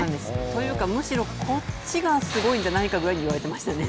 というか、むしろこっちがすごいんじゃないかと言われてましたね。